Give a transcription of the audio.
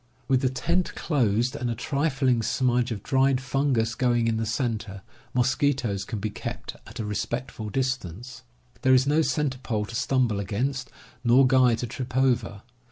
With the tent closed, and a trifling smudge of dried fungus going in the center, mosquitoes can be kept at a respectful distance. There is no center pole to stumble against, nor guy to trip over.